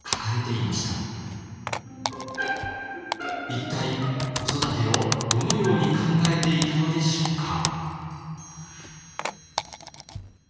一体子育てをどのように考えていたのでしょうか。